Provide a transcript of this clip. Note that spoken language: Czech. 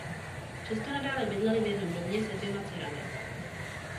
Přesto nadále bydleli v jednom domě se dvěma dcerami.